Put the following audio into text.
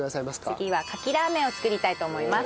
次はカキラーメンを作りたいと思います。